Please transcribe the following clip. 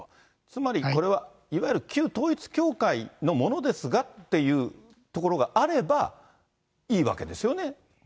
つまりこれはいわゆる旧統一教会の者ですがっていうところがあればいいわけですよね。